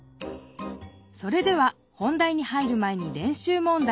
それでは本題に入る前に練習問題です。